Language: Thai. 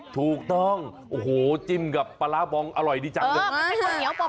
ถูกต้องโอ้โหจิ้มกับปลาร้าบองอร่อยดีจังมันให้แล้วเผา